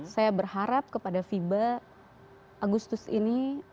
saya berharap kepada fiba agustus ini